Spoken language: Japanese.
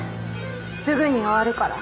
すぐに終わるから。